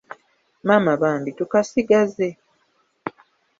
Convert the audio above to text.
Maama bambi, tukasigaze?